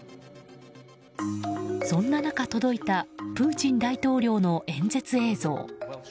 そんな中、届いたプーチン大統領の演説映像。